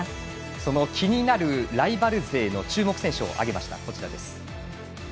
その気になるライバル勢の注目選手挙げました。